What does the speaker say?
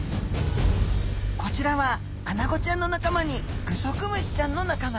こちらはアナゴちゃんの仲間にグソクムシちゃんの仲間。